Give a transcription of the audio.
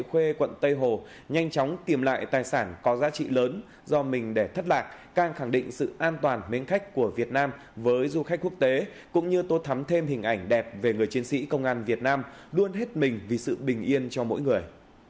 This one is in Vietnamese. quê quận tây hồ nhanh chóng tìm lại tài sản có giá trị lớn do mình để thất lạc càng khẳng định sự an toàn mến khách của việt nam với du khách quốc tế cũng như tô thắm thêm hình ảnh đẹp về người chiến sĩ công an việt nam luôn hết mình vì sự bình yên cho mỗi người